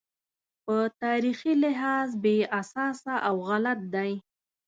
په تاریخي لحاظ بې اساسه او غلط دی.